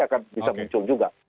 akan bisa muncul juga